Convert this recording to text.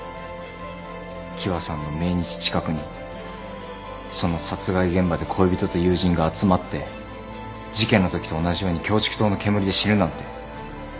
喜和さんの命日近くにその殺害現場で恋人と友人が集まって事件のときと同じようにキョウチクトウの煙で死ぬなんて。